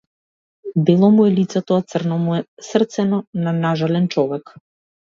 Бело му е лицето, а црно му е срцено на нажален човек.